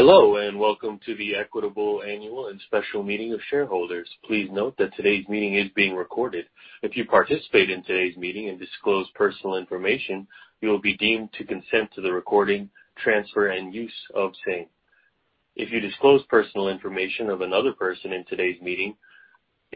Hello, and welcome to the Equitable Annual and Special Meeting of Shareholders. Please note that today's meeting is being recorded. If you participate in today's meeting and disclose personal information, you'll be deemed to consent to the recording, transfer, and use of same. If you disclose personal information of another person in today's meeting,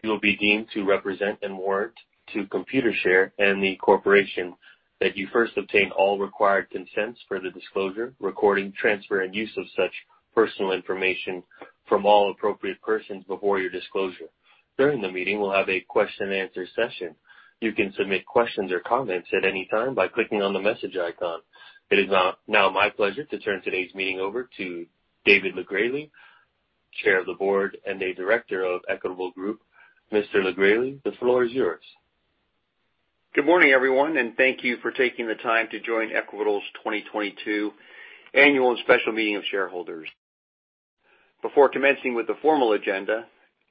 you'll be deemed to represent and warrant to Computershare and the corporation that you first obtain all required consents for the disclosure, recording, transfer, and use of such personal information from all appropriate persons before your disclosure. During the meeting, we'll have a question and answer session. You can submit questions or comments at any time by clicking on the message icon. It is now my pleasure to turn today's meeting over to David LeGresley, Chair of the Board and a Director of Equitable Group. Mr. LeGresley, the floor is yours. Good morning, everyone, and thank you for taking the time to join Equitable's 2022 Annual and Special Meeting of Shareholders. Before commencing with the formal agenda,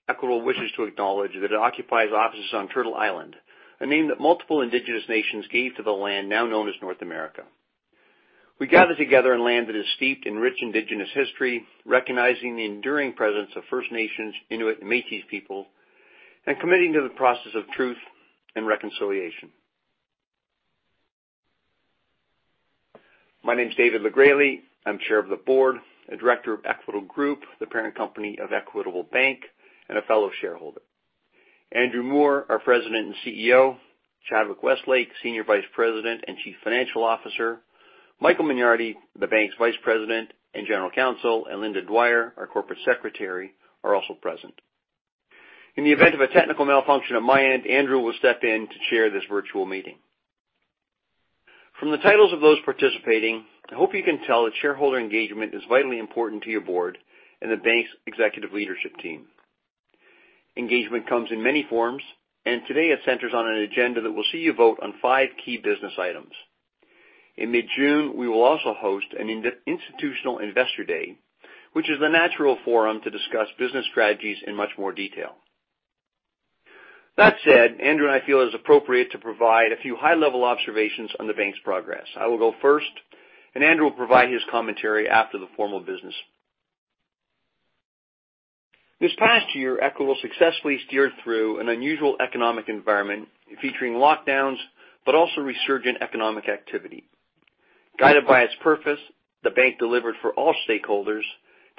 Equitable wishes to acknowledge that it occupies offices on Turtle Island, a name that multiple indigenous nations gave to the land now known as North America. We gather together in land that is steeped in rich indigenous history, recognizing the enduring presence of First Nations, Inuit, and Métis people, and committing to the process of truth and reconciliation. My name's David LeGresley. I'm Chair of the Board and Director of Equitable Group, the parent company of Equitable Bank, and a fellow shareholder. Andrew Moor, our President and CEO, Chadwick Westlake, Senior Vice President and Chief Financial Officer, Michael Mignardi, the bank's Vice President and General Counsel, and Linda Dwyer, our Corporate Secretary, are also present. In the event of a technical malfunction at my end, Andrew will step in to chair this virtual meeting. From the titles of those participating, I hope you can tell that shareholder engagement is vitally important to your board and the bank's executive leadership team. Engagement comes in many forms, and today it centers on an agenda that will see you vote on five key business items. In mid-June, we will also host an Institutional Investor Day, which is the natural forum to discuss business strategies in much more detail. That said, Andrew and I feel it is appropriate to provide a few high-level observations on the bank's progress. I will go first, and Andrew will provide his commentary after the formal business. This past year, Equitable successfully steered through an unusual economic environment featuring lockdowns but also resurgent economic activity. Guided by its purpose, the bank delivered for all stakeholders,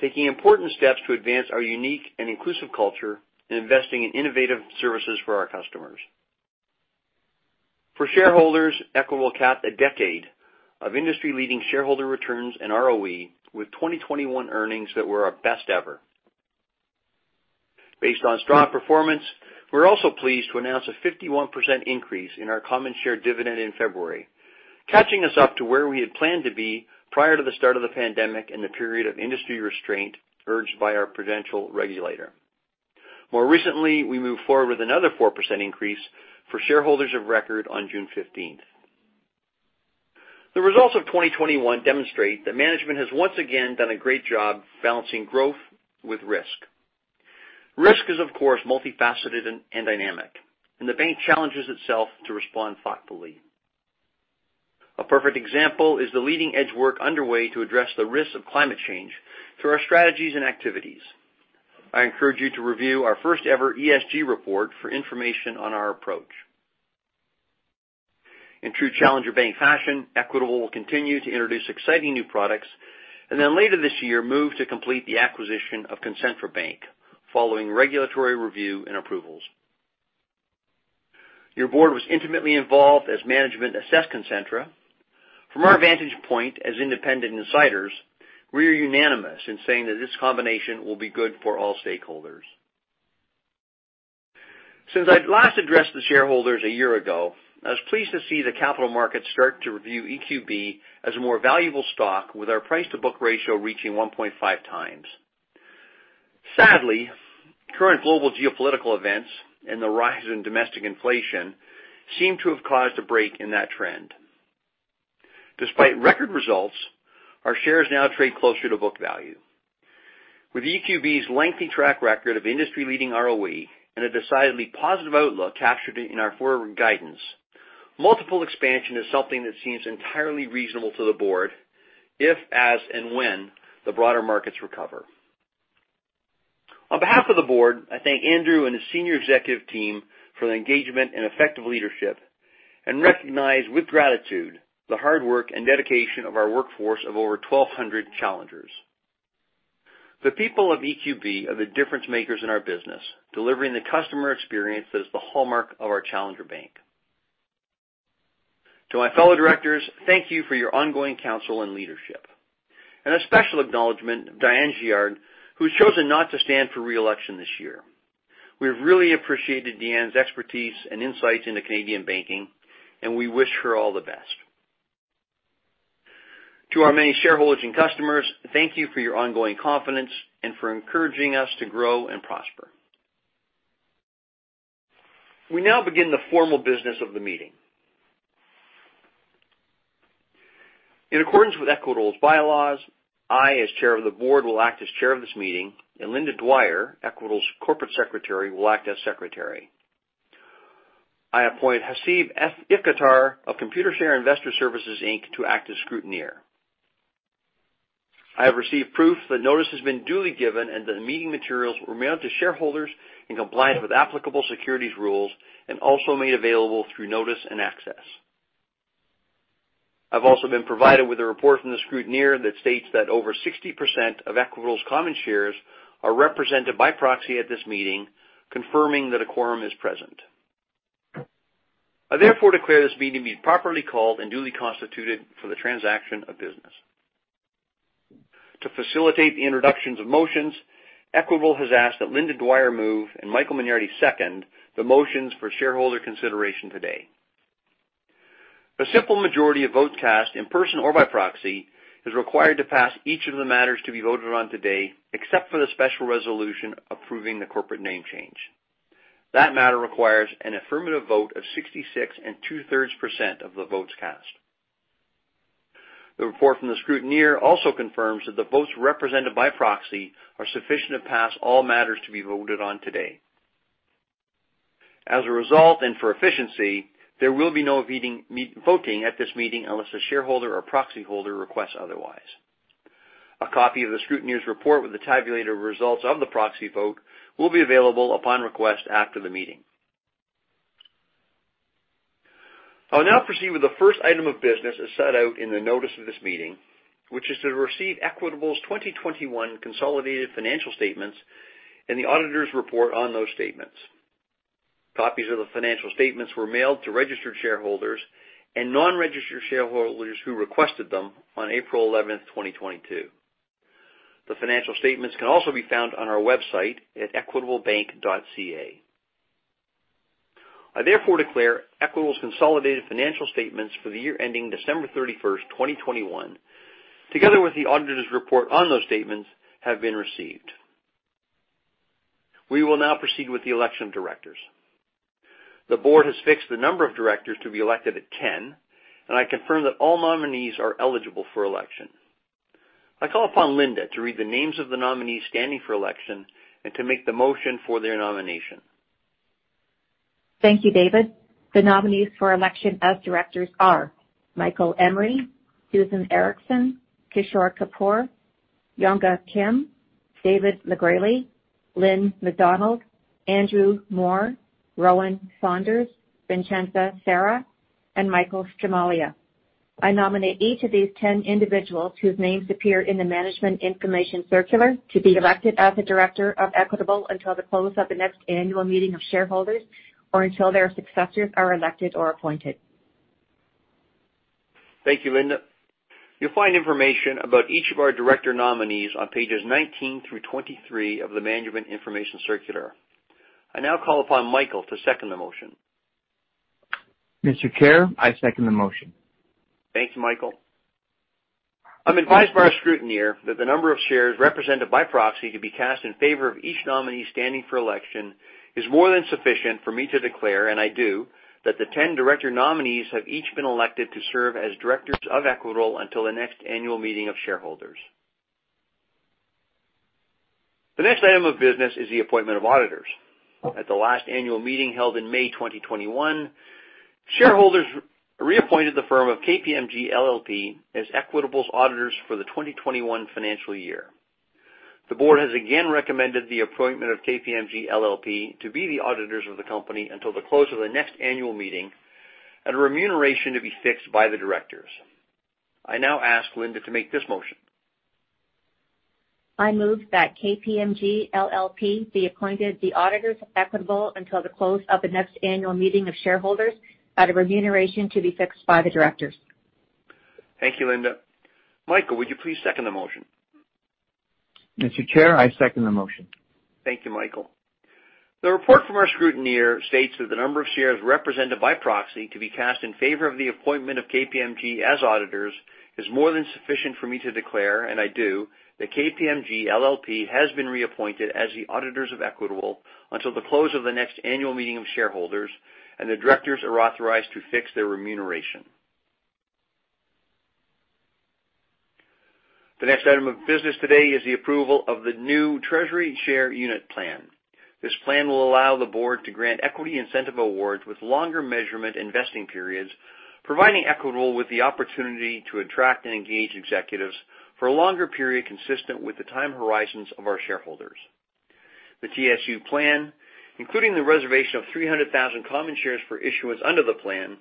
taking important steps to advance our unique and inclusive culture and investing in innovative services for our customers. For shareholders, Equitable capped a decade of industry-leading shareholder returns and ROE with 2021 earnings that were our best ever. Based on strong performance, we're also pleased to announce a 51% increase in our common share dividend in February, catching us up to where we had planned to be prior to the start of the pandemic and the period of industry restraint urged by our provincial regulator. More recently, we moved forward with another 4% increase for shareholders of record on June fifteenth. The results of 2021 demonstrate that management has once again done a great job balancing growth with risk. Risk is, of course, multifaceted and dynamic, and the bank challenges itself to respond thoughtfully. A perfect example is the leading-edge work underway to address the risks of climate change through our strategies and activities. I encourage you to review our first-ever ESG report for information on our approach. In true challenger bank fashion, Equitable will continue to introduce exciting new products and then later this year, move to complete the acquisition of Concentra Bank following regulatory review and approvals. Your board was intimately involved as management assessed Concentra. From our vantage point as independent insiders, we are unanimous in saying that this combination will be good for all stakeholders. Since I last addressed the shareholders a year ago, I was pleased to see the capital markets start to review EQB as a more valuable stock with our price-to-book ratio reaching 1.5 times. Sadly, current global geopolitical events and the rise in domestic inflation seem to have caused a break in that trend. Despite record results, our shares now trade closer to book value. With EQB's lengthy track record of industry-leading ROE and a decidedly positive outlook captured in our forward guidance, multiple expansion is something that seems entirely reasonable to the board if, as, and when the broader markets recover. On behalf of the board, I thank Andrew and his senior executive team for their engagement and effective leadership and recognize with gratitude the hard work and dedication of our workforce of over 1,200 challengers. The people of EQB are the difference-makers in our business, delivering the customer experience that is the hallmark of our challenger bank. To my fellow directors, thank you for your ongoing counsel and leadership. A special acknowledgment to Diane Giard, who's chosen not to stand for re-election this year. We've really appreciated Diane's expertise and insights into Canadian banking, and we wish her all the best. To our many shareholders and customers, thank you for your ongoing confidence and for encouraging us to grow and prosper. We now begin the formal business of the meeting. In accordance with Equitable's bylaws, I, as Chair of the Board, will act as chair of this meeting, and Linda Dwyer, Equitable's Corporate Secretary, will act as secretary. I appoint Haseeb F. Akhtar of Computershare Investor Services, Inc. to act as scrutineer. I have received proof that notice has been duly given and that the meeting materials were mailed to shareholders in compliance with applicable securities rules and also made available through notice and access. I've also been provided with a report from the scrutineer that states that over 60% of Equitable's common shares are represented by proxy at this meeting, confirming that a quorum is present. I therefore declare this meeting to be properly called and duly constituted for the transaction of business. To facilitate the introductions of motions, Equitable has asked that Linda Dwyer move and Michael Mignardi second the motions for shareholder consideration today. A simple majority of votes cast in person or by proxy is required to pass each of the matters to be voted on today, except for the special resolution approving the corporate name change. That matter requires an affirmative vote of 66 2/3% of the votes cast. The report from the scrutineer also confirms that the votes represented by proxy are sufficient to pass all matters to be voted on today. As a result, and for efficiency, there will be no voting at this meeting unless a shareholder or proxy holder requests otherwise. A copy of the scrutineer's report with the tabulated results of the proxy vote will be available upon request after the meeting. I'll now proceed with the first item of business as set out in the notice of this meeting, which is to receive Equitable's 2021 consolidated financial statements and the auditor's report on those statements. Copies of the financial statements were mailed to registered shareholders and non-registered shareholders who requested them on April 11, 2022. The financial statements can also be found on our website at equitablebank.ca. I therefore declare Equitable's consolidated financial statements for the year ending December 31, 2021, together with the auditor's report on those statements, have been received. We will now proceed with the election of directors. The board has fixed the number of directors to be elected at 10, and I confirm that all nominees are eligible for election. I call upon Linda to read the names of the nominees standing for election and to make the motion for their nomination. Thank you, David. The nominees for election as directors are Michael Emery, Susan Ericksen, Kishore Kapoor, Yongah Kim, David LeGresley, Lynn McDonald, Andrew Moor, Rowan Saunders, Vincenza Sera, and Michael Strempel. I nominate each of these 10 individuals whose names appear in the management information circular to be elected as a director of Equitable until the close of the next annual meeting of shareholders or until their successors are elected or appointed. Thank you, Linda. You'll find information about each of our director nominees on pages 19 through 23 of the management information circular. I now call upon Michael to second the motion. Mr. Chair, I second the motion. Thanks, Michael. I'm advised by our scrutineer that the number of shares represented by proxy to be cast in favor of each nominee standing for election is more than sufficient for me to declare, and I do, that the 10 director nominees have each been elected to serve as directors of Equitable until the next annual meeting of shareholders. The next item of business is the appointment of auditors. At the last annual meeting held in May 2021, shareholders reappointed the firm of KPMG LLP as Equitable's auditors for the 2021 financial year. The board has again recommended the appointment of KPMG LLP to be the auditors of the company until the close of the next annual meeting at a remuneration to be fixed by the directors. I now ask Linda to make this motion. I move that KPMG LLP be appointed the auditors of Equitable until the close of the next annual meeting of shareholders at a remuneration to be fixed by the directors. Thank you, Linda. Michael, would you please second the motion? Mr. Chair, I second the motion. Thank you, Michael. The report from our scrutineer states that the number of shares represented by proxy to be cast in favor of the appointment of KPMG as auditors is more than sufficient for me to declare, and I do, that KPMG LLP has been reappointed as the auditors of Equitable until the close of the next annual meeting of shareholders, and the directors are authorized to fix their remuneration. The next item of business today is the approval of the new Treasury Share Unit plan. This plan will allow the board to grant equity incentive awards with longer measurement and vesting periods, providing Equitable with the opportunity to attract and engage executives for a longer period consistent with the time horizons of our shareholders. The TSU plan, including the reservation of 300,000 common shares for issuance under the plan,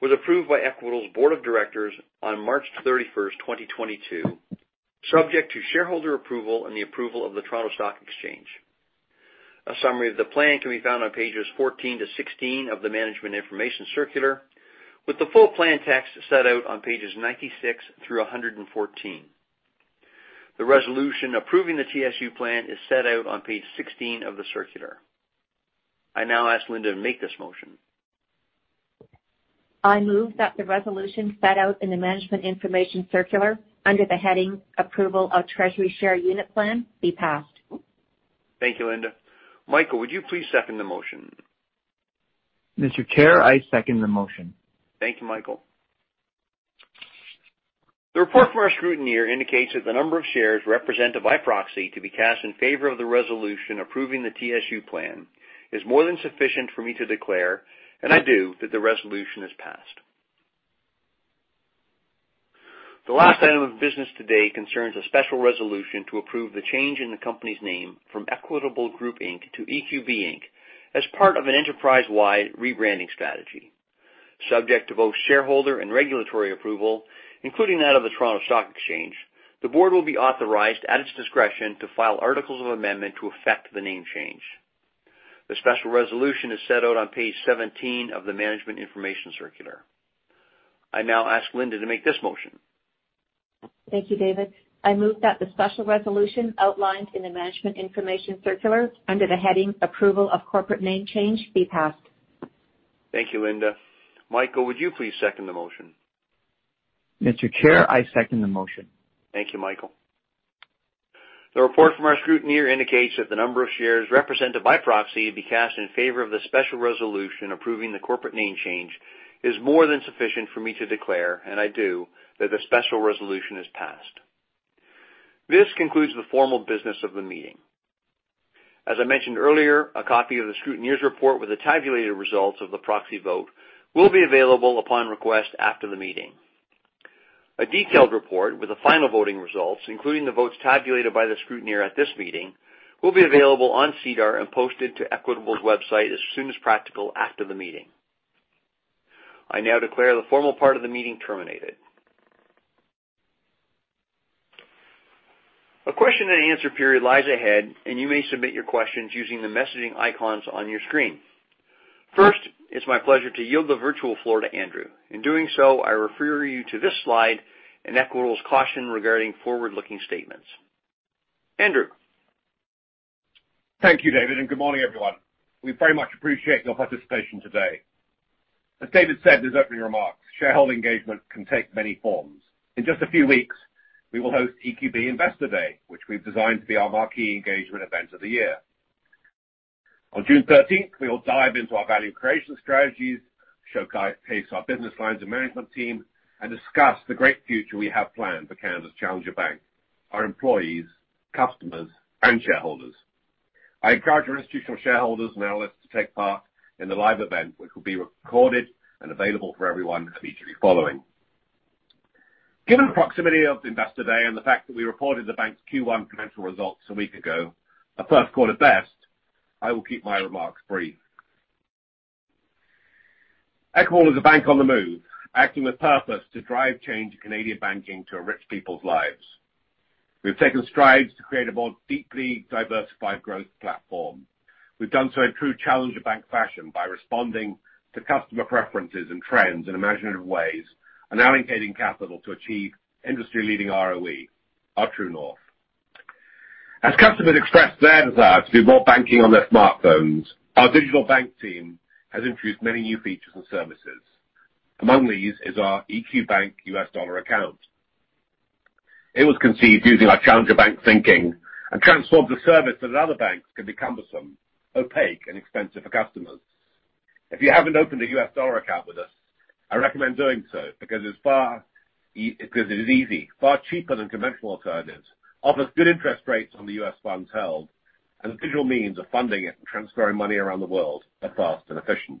was approved by Equitable's board of directors on March 31, 2022, subject to shareholder approval and the approval of the Toronto Stock Exchange. A summary of the plan can be found on pages 14 to 16 of the management information circular, with the full plan text set out on pages 96 through 114. The resolution approving the TSU plan is set out on page 16 of the circular. I now ask Linda to make this motion. I move that the resolution set out in the management information circular under the heading Approval of Treasury Share Unit Plan be passed. Thank you, Linda. Michael, would you please second the motion? Mr. Chair, I second the motion. Thank you, Michael. The report from our scrutineer indicates that the number of shares represented by proxy to be cast in favor of the resolution approving the TSU plan is more than sufficient for me to declare, and I do, that the resolution is passed. The last item of business today concerns a special resolution to approve the change in the company's name from Equitable Group Inc. to EQB Inc. as part of an enterprise-wide rebranding strategy. Subject to both shareholder and regulatory approval, including that of the Toronto Stock Exchange, the board will be authorized at its discretion to file articles of amendment to effect the name change. The special resolution is set out on page 17 of the management information circular. I now ask Linda to make this motion. Thank you, David. I move that the special resolution outlined in the management information circular under the heading Approval of Corporate Name Change be passed. Thank you, Linda. Michael, would you please second the motion? Mr. Chair, I second the motion. Thank you, Michael. The report from our scrutineer indicates that the number of shares represented by proxy to be cast in favor of the special resolution approving the corporate name change is more than sufficient for me to declare, and I do, that the special resolution is passed. This concludes the formal business of the meeting. As I mentioned earlier, a copy of the scrutineer's report with the tabulated results of the proxy vote will be available upon request after the meeting. A detailed report with the final voting results, including the votes tabulated by the scrutineer at this meeting, will be available on SEDAR and posted to Equitable's website as soon as practical after the meeting. I now declare the formal part of the meeting terminated. A question and answer period lies ahead, and you may submit your questions using the messaging icons on your screen. First, it's my pleasure to yield the virtual floor to Andrew. In doing so, I refer you to this slide and Equitable's caution regarding forward-looking statements. Andrew. Thank you, David, and good morning, everyone. We very much appreciate your participation today. As David said in his opening remarks, shareholder engagement can take many forms. In just a few weeks, we will host EQB Investor Day, which we've designed to be our marquee engagement event of the year. On June thirteenth, we will dive into our value creation strategies, showcase our business lines and management team, and discuss the great future we have planned for Canada's Challenger Bank, our employees, customers, and shareholders. I encourage institutional shareholders and analysts to take part in the live event, which will be recorded and available for everyone to be following. Given the proximity of Investor Day and the fact that we reported the bank's Q1 financial results a week ago, our Q1 best. I will keep my remarks brief. Equitable is a bank on the move, acting with purpose to drive change in Canadian banking to enrich people's lives. We've taken strides to create a more deeply diversified growth platform. We've done so in true challenger bank fashion by responding to customer preferences and trends in imaginative ways and allocating capital to achieve industry-leading ROE, our true north. As customers express their desire to do more banking on their smartphones, our digital bank team has introduced many new features and services. Among these is our EQ Bank US Dollar Account. It was conceived using our challenger bank thinking and transformed a service that at other banks can be cumbersome, opaque, and expensive for customers. If you haven't opened a U.S. dollar account with us, I recommend doing so because it is easy, far cheaper than conventional alternatives, offers good interest rates on the U.S. funds held, and the digital means of funding it and transferring money around the world are fast and efficient.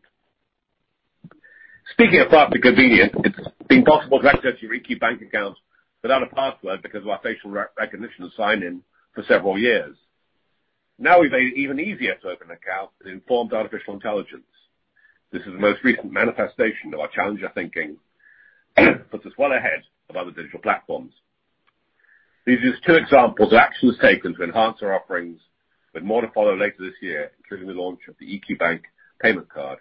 Speaking of fast and convenient, it's been possible to access your EQ Bank account without a password because of our facial recognition sign-in for several years. Now, we've made it even easier to open an account with informed artificial intelligence. This is the most recent manifestation of our challenger thinking, puts us well ahead of other digital platforms. These are just two examples of actions taken to enhance our offerings, with more to follow later this year, including the launch of the EQ Bank payment card,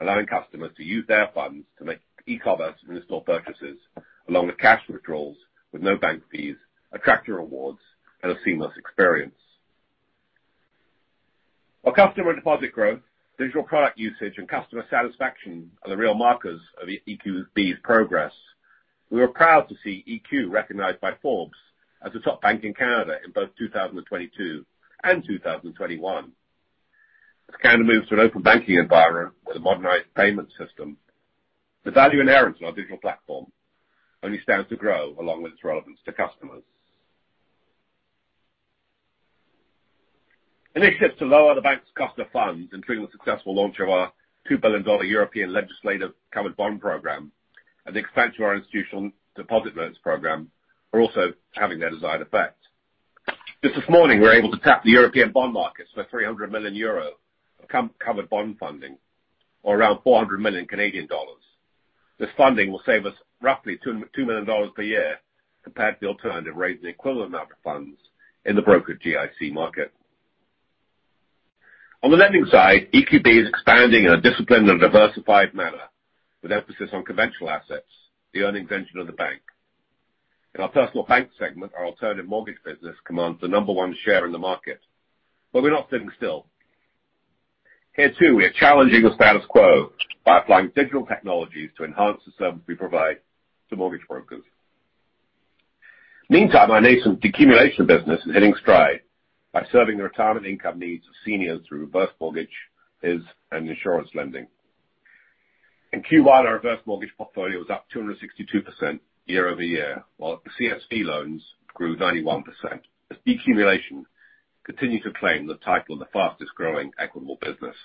allowing customers to use their funds to make e-commerce and in-store purchases along with cash withdrawals with no bank fees, attractive rewards, and a seamless experience. Our customer deposit growth, digital product usage, and customer satisfaction are the real markers of EQB's progress. We are proud to see EQ recognized by Forbes as a top bank in Canada in both 2022 and 2021. As Canada moves to an open banking environment with a modernized payment system, the value inherent in our digital platform only stands to grow along with its relevance to customers. Initiatives to lower the bank's cost of funds, including the successful launch of our 2 billion dollar European legislative covered bond program and the expansion of our institutional deposit notes program, are also having their desired effect. Just this morning, we were able to tap the European bond market for 300 million euro of covered bond funding, or around 400 million Canadian dollars. This funding will save us roughly 2 million dollars per year compared to the alternative rate and equivalent amount of funds in the brokered GIC market. On the lending side, EQB is expanding in a disciplined and diversified manner with emphasis on conventional assets, the earnings engine of the bank. In our personal bank segment, our alternative mortgage business commands the number one share in the market. We're not sitting still. Here too, we are challenging the status quo by applying digital technologies to enhance the service we provide to mortgage brokers. Meanwhile, our nascent decumulation business is hitting stride by serving the retirement income needs of seniors through reverse mortgages and insurance lending. In Q1, our reverse mortgage portfolio was up 262% year-over-year, while the CSV loans grew 91%. This decumulation continued to claim the title of the fastest growing Equitable business.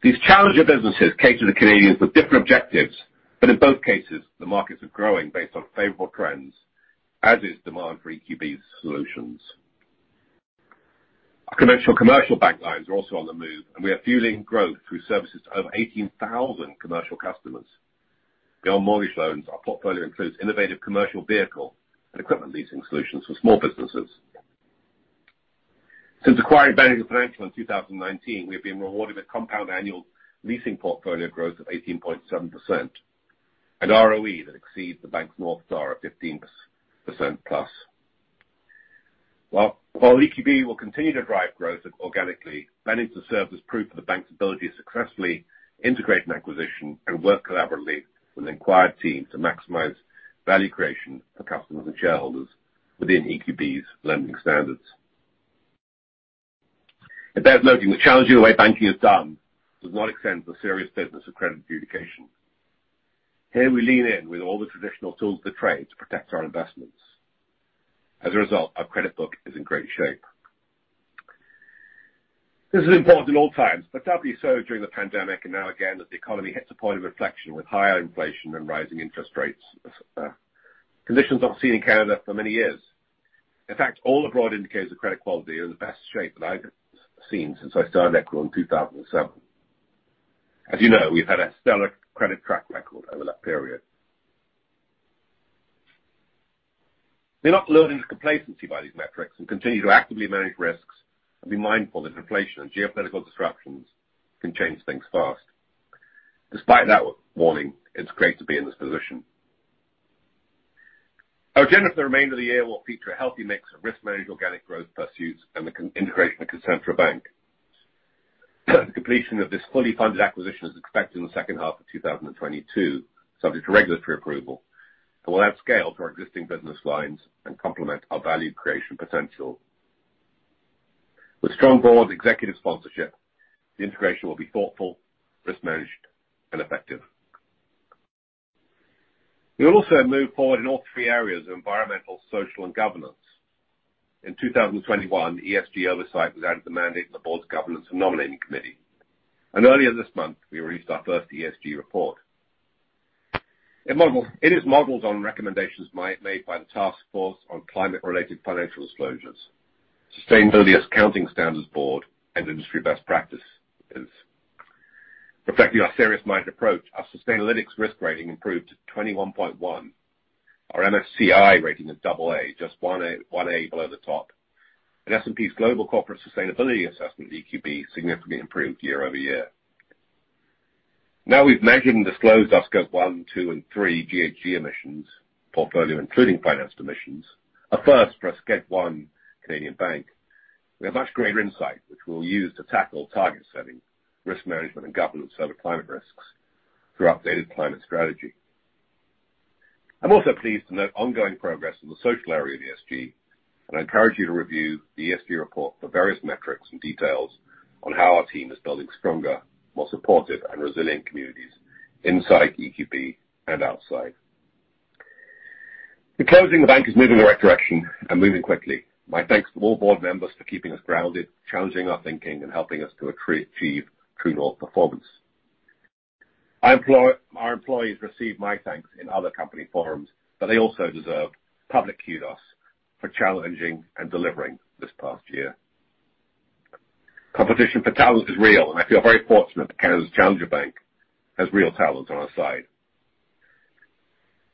These challenger businesses cater to Canadians with different objectives, but in both cases, the markets are growing based on favorable trends, as is demand for EQB's solutions. Our conventional commercial bank lines are also on the move, and we are fueling growth through services to over 18,000 commercial customers. Beyond mortgage loans, our portfolio includes innovative commercial vehicle and equipment leasing solutions for small businesses. Since acquiring Bennington Financial in 2019, we have been rewarded with compound annual leasing portfolio growth of 18.7% and ROE that exceeds the bank's North Star of 15%+. While EQB will continue to drive growth organically, Bennington Financial serves as proof of the bank's ability to successfully integrate an acquisition and work collaboratively with the acquired team to maximize value creation for customers and shareholders within EQB's lending standards. It bears noting that challenging the way banking is done does not extend to the serious business of credit adjudication. Here we lean in with all the traditional tools of the trade to protect our investments. As a result, our credit book is in great shape. This is important at all times, but doubly so during the pandemic and now again, as the economy hits a point of reflection with higher inflation and rising interest rates, conditions not seen in Canada for many years. In fact, all the broad indicators of credit quality are in the best shape that I've seen since I started EQB in 2007. As you know, we've had a stellar credit track record over that period. We're not lulled into complacency by these metrics and continue to actively manage risks and be mindful that inflation and geopolitical disruptions can change things fast. Despite that warning, it's great to be in this position. Our agenda for the remainder of the year will feature a healthy mix of risk-managed organic growth pursuits and the integration of Concentra Bank. The completion of this fully funded acquisition is expected in the second half of 2022, subject to regulatory approval, and will add scale to our existing business lines and complement our value creation potential. With strong board executive sponsorship, the integration will be thoughtful, risk managed, and effective. We will also move forward in all three areas of environmental, social, and governance. In 2021, ESG oversight was added to the mandate of the board's governance and nominating committee. Earlier this month, we released our first ESG report. It is modeled on recommendations made by the Task Force on Climate-Related Financial Disclosures, Sustainability Accounting Standards Board, and industry best practices. Reflecting our serious-minded approach, our Sustainalytics risk rating improved to 21.1. Our MSCI rating is double A, just one A below the top. S&P Global Corporate Sustainability Assessment of EQB significantly improved year-over-year. Now we've measured and disclosed our scope one, two, and three GHG emissions portfolio, including financed emissions, a first for a scope one Canadian bank. We have much greater insight, which we'll use to tackle target setting, risk management, and governance over climate risks through updated climate strategy. I'm also pleased to note ongoing progress in the social area of the ESG, and I encourage you to review the ESG report for various metrics and details on how our team is building stronger, more supportive, and resilient communities inside EQB and outside. In closing, the bank is moving in the right direction and moving quickly. My thanks to all board members for keeping us grounded, challenging our thinking, and helping us to achieve true north performance. Our employees receive my thanks in other company forums, but they also deserve public kudos for challenging and delivering this past year. Competition for talent is real, and I feel very fortunate that Canada's challenger bank has real talent on our side.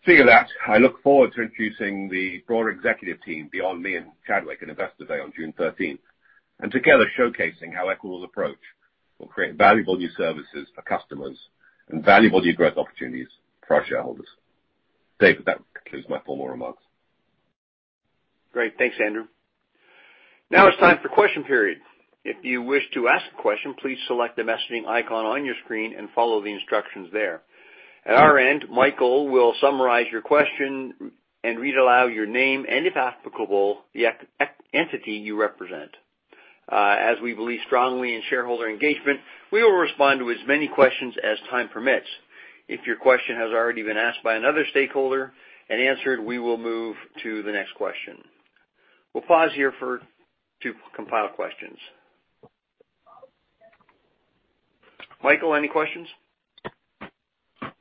Saying that, I look forward to introducing the broader executive team beyond me and Chadwick at Investor Day on June thirteenth, and together showcasing how EQB's approach will create valuable new services for customers and valuable new growth opportunities for our shareholders. Dave, that concludes my formal remarks. Great. Thanks, Andrew. Now it's time for question period. If you wish to ask a question, please select the messaging icon on your screen and follow the instructions there. At our end, Michael will summarize your question and read aloud your name and, if applicable, the entity you represent. As we believe strongly in shareholder engagement, we will respond to as many questions as time permits. If your question has already been asked by another stakeholder and answered, we will move to the next question. We'll pause here to compile questions. Michael, any questions?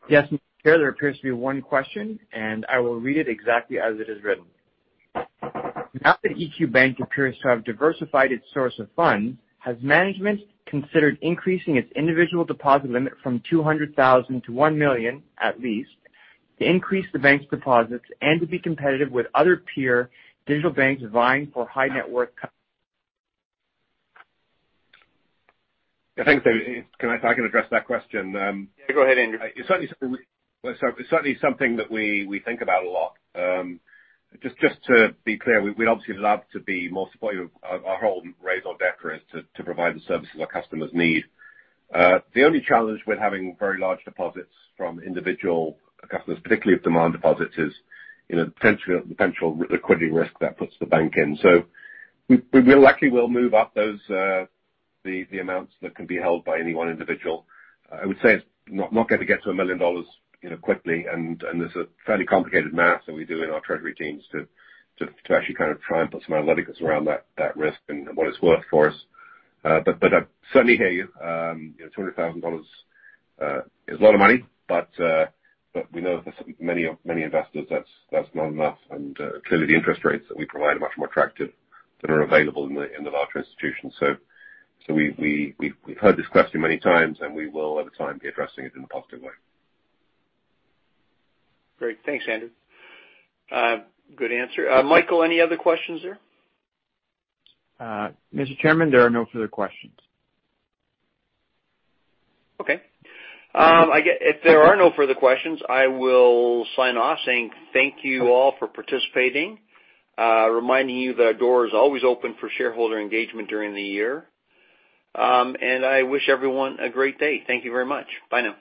Yes, Mr. Chair, there appears to be one question, and I will read it exactly as it is written. "Now that EQ Bank appears to have diversified its source of funds, has management considered increasing its individual deposit limit from 200,000 to 1 million, at least, to increase the bank's deposits and to be competitive with other peer digital banks vying for high net worth c- Yeah, thanks, David. I can address that question. Yeah, go ahead, Andrew. It's certainly something that we think about a lot. Just to be clear, we'd obviously love to be more supportive. Our whole raison d'être is to provide the services our customers need. The only challenge with having very large deposits from individual customers, particularly of demand deposits, is, you know, the potential liquidity risk that puts the bank in. We likely will move up those amounts that can be held by any one individual. I would say it's not gonna get to 1 million dollars, you know, quickly. There's a fairly complicated math that we do in our treasury teams to actually try and put some analytics around that risk and what it's worth for us. I certainly hear you. You know, 200,000 dollars is a lot of money, but we know that for many investors, that's not enough. Clearly the interest rates that we provide are much more attractive than are available in the larger institutions. We've heard this question many times, and we will over time be addressing it in a positive way. Great. Thanks, Andrew. Good answer. Michael, any other questions there? Mr. Chairman, there are no further questions. Okay. If there are no further questions, I will sign off saying thank you all for participating. Reminding you that our door is always open for shareholder engagement during the year. I wish everyone a great day. Thank you very much. Bye now.